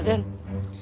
raden mah baik banget eh